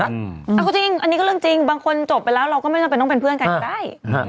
เอาจริงอันนี้ก็เรื่องจริงบางคนจบไปแล้วเราก็ไม่จำเป็นต้องเป็นเพื่อนกันก็ได้